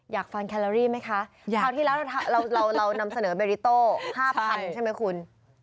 อยากฟังแคลอรี่ไหมคะคราวที่แล้วเรานำเสนอเบดิโต้๕๐๐๐ใช่ไหมคุณ